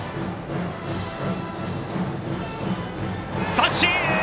三振！